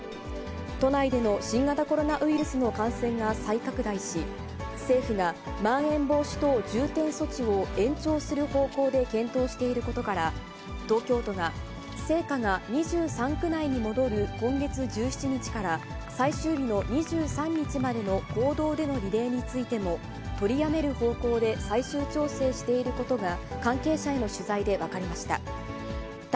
都内での新型コロナウイルスの感染が再拡大し、政府がまん延防止等重点措置を延長する方向で検討していることから、東京都が、聖火が２３区内に戻る今月１７日から、最終日の２３日までの公道でのリレーについても、取りやめる方向で最終調整していることが、関係者への取材で分かりました。